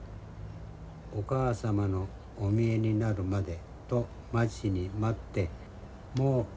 お母様のお見えになるまでと待ちに待ってもうじき見えるよ